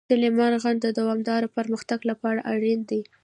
سلیمان غر د دوامداره پرمختګ لپاره اړین دی.